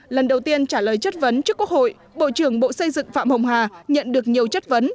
lần đầu tiên trả lời chất vấn trước quốc hội bộ trưởng bộ xây dựng phạm hồng hà nhận được nhiều chất vấn